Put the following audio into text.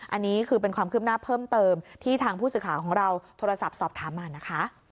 อันนี้คือเป็นความคืบหน้าเพิ่มเติมที่ทางผู้สื่อข่าวของเราโทรศัพท์สอบถามมานะคะ